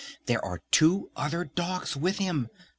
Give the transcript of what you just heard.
There are two other dogs with him!